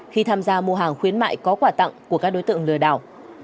khi tham gia mua hàng khuyến mại có quà tặng của các đối tượng lừa đảo